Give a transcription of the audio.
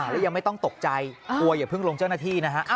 แล้วยังไม่ต้องตกใจกลัวอย่าเพิ่งลงเจ้าหน้าที่นะฮะ